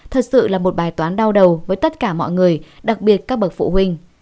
thật sự là một bài toán đau đầu với tất cả mọi người đặc biệt các bậc phụ huynh